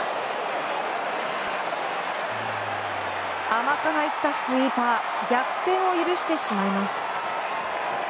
甘く入ったスイーパー逆転を許してしまいます。